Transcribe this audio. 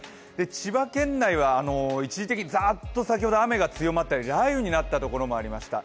千葉県内は一時的にざーっと先ほど雨が強まったり雷雨になったところもありました。